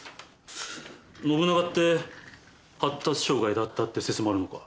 信長って発達障害だったって説もあるのか。